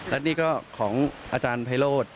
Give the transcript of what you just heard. และนี่ก็ของอาจารย์ไพโรธ